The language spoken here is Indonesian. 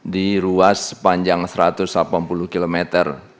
di ruas sepanjang satu ratus delapan puluh km